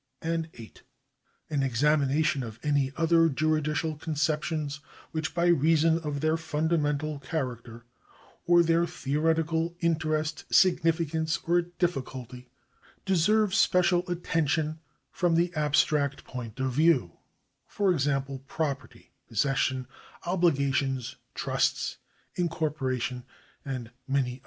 8. An examination of any other juridical conceptions which by reason of their fundamental character, or their theoretical interest, significance, or difificulty, deserve special attention from the abstract point of vie^V ; for example, property, possession, obligations, trusts, incorporation, and many others.